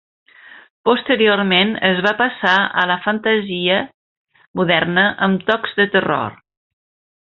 Posteriorment es va passar a la fantasia moderna amb tocs de terror.